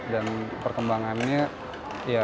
dan perkembangannya kita bisa menggoda